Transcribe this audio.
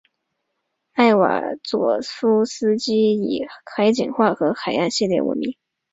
艾瓦佐夫斯基以其海景画和海岸系列闻名。